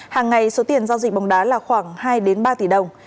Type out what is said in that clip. hàng ngày số tiền giao dịch bóng đá là khoảng hai ba tỷ đồng